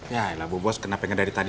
yaelah bu bos kenapa ngedari tadi